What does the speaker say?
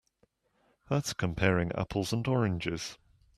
That's comparing apples and oranges.